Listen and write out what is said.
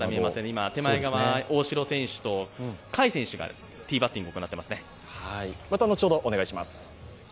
今、手前側、大城選手と甲斐選手がティーバッティングを行っています。